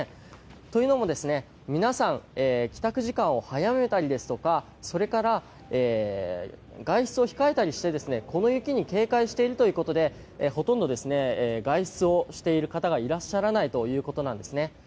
というのも皆さん、帰宅時間を早めたりそれから外出を控えたりしてこの雪に警戒しているということでほとんど外出をしている方がいらっしゃらないんですね。